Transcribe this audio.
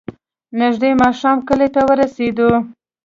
نژدې ماښام کلي ته ورسېدو.